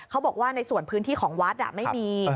เขาบอกว่าในส่วนพื้นที่ของวัดไม่มี